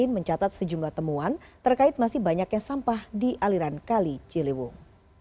mencatat sejumlah temuan terkait masih banyaknya sampah di aliran kali ciliwung